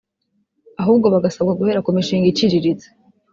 ahubwo bagasabwa guhera ku mishinga iciriritse